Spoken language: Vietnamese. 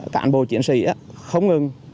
cạn bộ chiến sĩ không ngừng